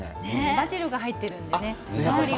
バジルが入っているのでね。